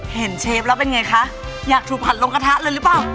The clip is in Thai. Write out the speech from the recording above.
เชฟแล้วเป็นไงคะอยากถูกผัดลงกระทะเลยหรือเปล่า